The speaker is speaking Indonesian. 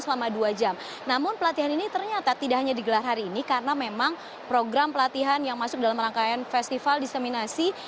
selama dua jam namun pelatihan ini ternyata tidak hanya digelar hari ini karena memang program pelatihan yang masuk dalam rangkaian festival diseminasi